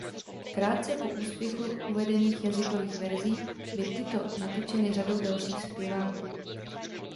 Krátce po úspěchu uvedených jazykových verzí by tyto natočeny řadou dalších zpěváků.